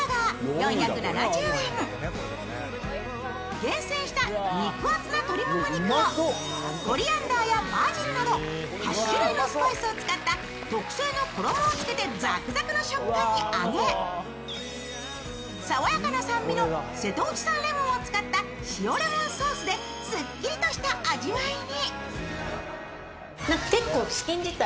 厳選した肉厚な鶏もも肉をコリアンダーやバジルなど８種類のスパイスを使った特製の衣をつけてザクザクの食感に揚げ爽やかな酸味の瀬戸内産レモンを使った塩レモンソースですっきりとした味わいに。